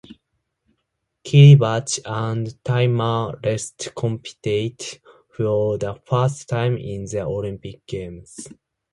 Kiribati and Timor Leste competed for the first time in these Olympic Games.